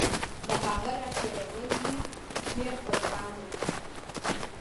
د هغه راتېرول وي ډیر په ګرانه